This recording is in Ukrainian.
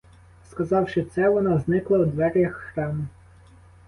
Сказавши це, вона зникла у дверях храму.